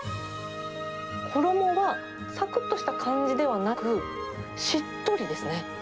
衣がさくっとした感じではなく、しっとりですね。